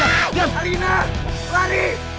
aduh tarimau itu lagi